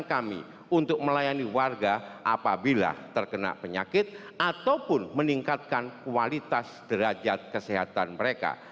kami untuk melayani warga apabila terkena penyakit ataupun meningkatkan kualitas derajat kesehatan mereka